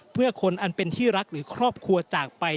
เพื่อคนอันเป็นที่รักหรือครอบครัวจากไป